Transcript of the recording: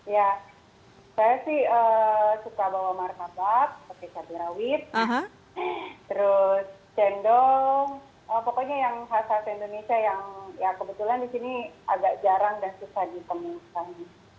ya saya sih suka bawa martabak seperti cabai rawit terus cendol pokoknya yang khas khas indonesia yang ya kebetulan di sini agak jarang dan susah ditemukan